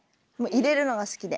いれるのが好きで。